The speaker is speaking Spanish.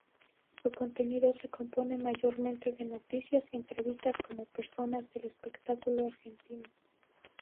Su contenido se compone mayormente de noticias y entrevistas con personas del espectáculo argentino.